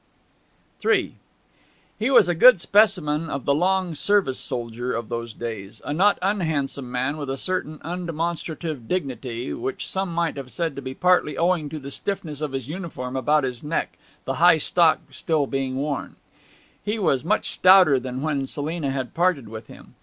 III He was a good specimen of the long service soldier of those days; a not unhandsome man, with a certain undemonstrative dignity, which some might have said to be partly owing to the stiffness of his uniform about his neck, the high stock being still worn. He was much stouter than when Selina had parted from him.